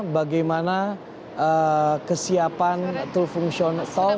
bagaimana kesiapan tol fungsional di sana